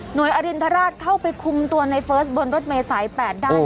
หน่วยอรินทรราชเข้าไปคุมตัวในเฟิร์สบนรถเมษาย์แปดด้านโอ้ย